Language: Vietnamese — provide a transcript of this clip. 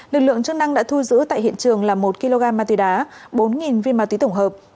lực lượng chức năng đã thu giữ tại hiện trường là một kg ma túy đá bốn viên ma túy tổng hợp